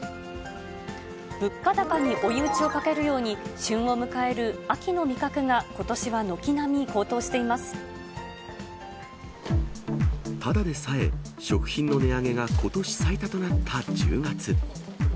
物価高に追い打ちをかけるように、旬を迎える秋の味覚が、ただでさえ、食品の値上げがことし最多となった１０月。